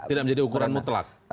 tidak menjadi ukuran mutlak